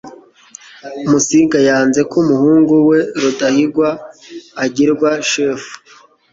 musinga yanze ko umuhungu we rudahigwa agirwa shefu